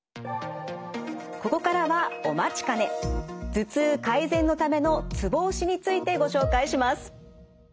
ここからはお待ちかね頭痛改善のためのツボ押しについてご紹介します。